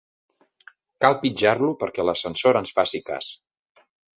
Cal pitjar-lo perquè l'ascensor ens faci cas.